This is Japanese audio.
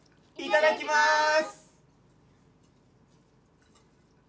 いただきます！